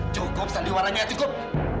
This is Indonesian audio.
cukup sandiwara ini cukup